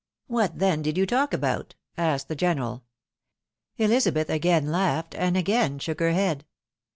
" What then did you talk about ?" asked the general. Elizabeth again laughed, and again shook her head.'